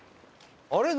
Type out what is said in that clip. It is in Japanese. あれ？